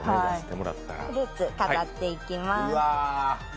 フルーツ、飾っていきます。